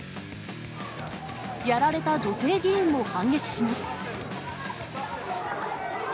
やられた女性議員も反撃します。